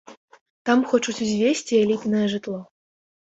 Там хочуць узвесці элітнае жытло.